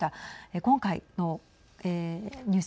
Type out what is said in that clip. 今回のニュース